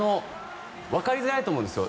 わかりづらいと思うんですよ。